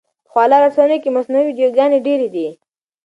په خواله رسنیو کې مصنوعي ویډیوګانې ډېرې دي.